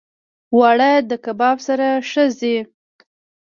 اوړه د کباب سره ښه ځي